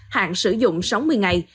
hạn sử dụng sáu mươi ngày